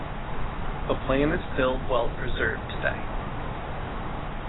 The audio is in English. The plan is still well preserved today.